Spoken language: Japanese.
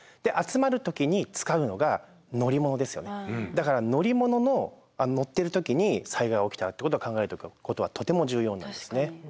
だから乗り物に乗ってる時に災害起きたらってことを考えておくことはとても重要になるんですね。